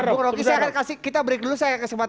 bung roky saya akan kasih kita break dulu saya kesempatan